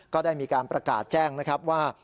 ก็ได้มีการประกาศแจ้งนะครับว่า